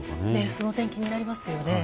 その点、気になりますよね。